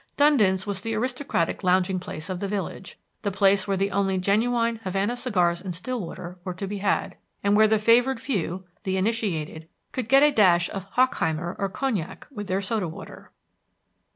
Dundon's was the aristocratic lounging place of the village, the place where the only genuine Havana cigars in Stillwater were to be had, and where the favored few, the initiated, could get a dash of hochheimer or cognac with their soda water.